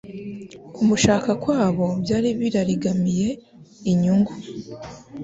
Kumushaka kwabo byari birarigamiye inyungu.